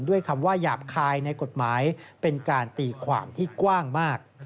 คำว่าหยาบคายในกฎหมายเป็นการตีความที่กว้างมาก